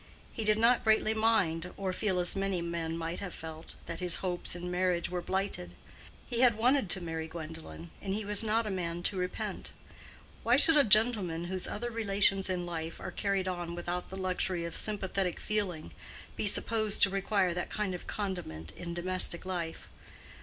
He did not greatly mind, or feel as many men might have felt, that his hopes in marriage were blighted: he had wanted to marry Gwendolen, and he was not a man to repent. Why should a gentleman whose other relations in life are carried on without the luxury of sympathetic feeling, be supposed to require that kind of condiment in domestic life?